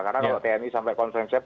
karena kalau tni sampai konsernsep